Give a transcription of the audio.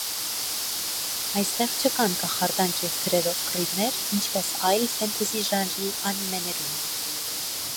Այստեղ չկան կախարդանք և թրերով կռիվներ, ինչպես այլ ֆենտեզի ժանրի անիմեներում։